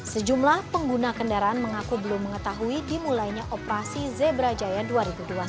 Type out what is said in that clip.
sejumlah pengguna kendaraan mengaku belum mengetahui dimulainya operasi zebra jaya dua ribu dua puluh satu